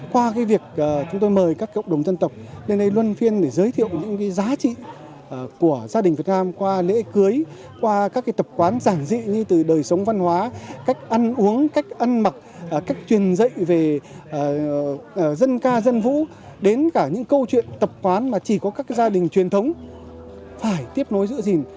qua việc chúng tôi mời các cộng đồng dân tộc lên đây luân phiên để giới thiệu những giá trị của gia đình việt nam qua lễ cưới qua các tập quán giản dị như từ đời sống văn hóa cách ăn uống cách ăn mặc cách truyền dạy về dân ca dân vũ đến cả những câu chuyện tập quán mà chỉ có các gia đình truyền thống phải tiếp nối giữa gìn